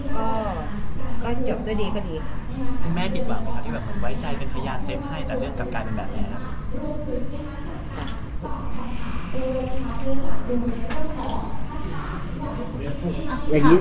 ก็ก็จบด้วยดีก็ดีคุณแม่ติดหวังไหมครับ